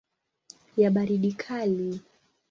ya baridi kali.